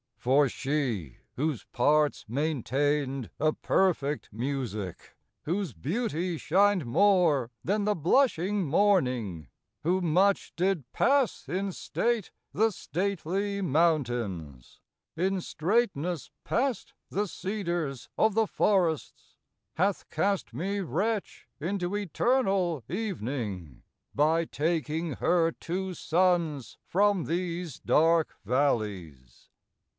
For she , whose parts maintainde a perfect musique, Whose beautie shin'de more then the blushing morning, Who much did passe in state the stately mountaines. In straightnes past the Cedars of the forrests , Hath cast me wretch into eternall evening. By taking her two Sunnes from these darke vallies. 142 ARCADIA.